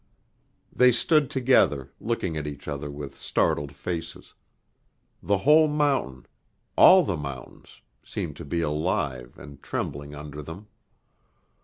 They stood together, looking at each other with startled faces. The whole mountain, all the mountains, seemed to be alive and trembling under them.